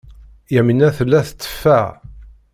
Yamina tella tetteffeɣ.